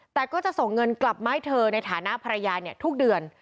แต่ก็จะส่งเงินกลับมาให้เธอในฐานะภรรยาทุกเดือน